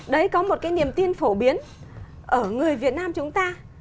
đấy có một cái niềm tin phổ biến ở người việt nam chúng ta